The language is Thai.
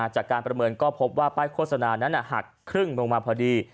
จากการประเมินก็พบว่าป้ายโฆษณานั้นหักครึ่งลงมาพอดี